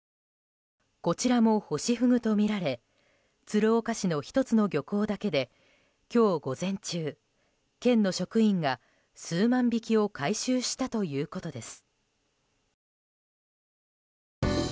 こちらもホシフグとみられ鶴岡市の１つの漁港だけで今日午前中県の職員が数万匹を回収したということです。